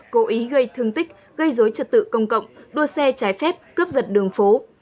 cố ý gây thương tích gây dối trật tự công cộng đua xe trái phép cướp giật đường phố